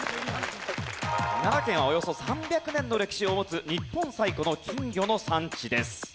奈良県はおよそ３００年の歴史を持つ日本最古の金魚の産地です。